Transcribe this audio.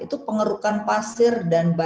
itu pengerukan pasir dan batu